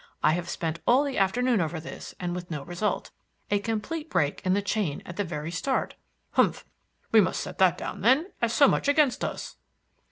I have spent all the afternoon over this, and with no result. A complete break in the chain at the very start." "Humph! we will set that down, then, as so much against us."